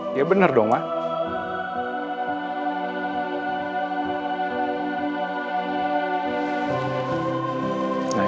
tidak buat apa rotating pengguna dia